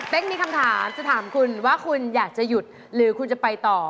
เป็นมีคำถามจะถามคุณว่าคุณอยากจะหยุดหรือคุณจะไปต่อ